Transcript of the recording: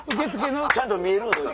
ちゃんと見えるんすか。